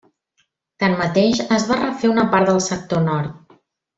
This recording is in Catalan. Tanmateix, es va refer una part del sector nord.